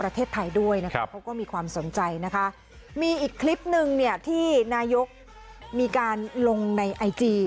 ประเทศไทยด้วยนะครับเขาก็มีความสนใจนะคะมีอีกคลิปนึงเนี่ยที่นายกมีการลงในไอจี